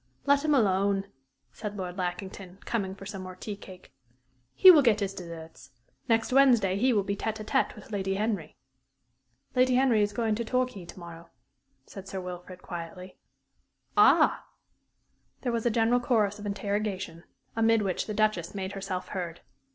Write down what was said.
"Let him alone," said Lord Lackington, coming for some more tea cake. "He will get his deserts. Next Wednesday he will be tête à tête with Lady Henry." "Lady Henry is going to Torquay to morrow," said Sir Wilfrid, quietly. "Ah!" There was a general chorus of interrogation, amid which the Duchess made herself heard.